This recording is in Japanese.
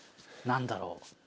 何だろう。